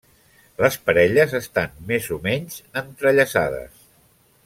Les parelles estan més o menys entrellaçades.